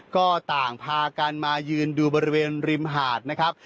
ก็ต่างพากันมายืนดูบริเวณริมหาดนะครับ